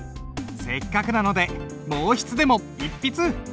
せっかくなので毛筆でも一筆！